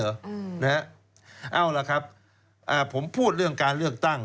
เอาล่ะครับผมพูดเรื่องการเลือกตั้ง